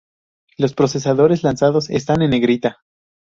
Los procesadores lanzados están en negrita.